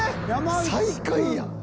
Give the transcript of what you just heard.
最下位やん。